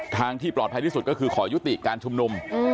ทางที่ปลอดภัยที่สุดก็คือขอยุติการชุมนุม